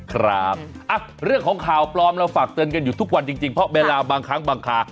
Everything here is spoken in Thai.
ครับเรื่องของข่าวปลอมเราฝากเตือนกันอยู่ทุกวันจริงเพราะเวลาบางครั้งบางครา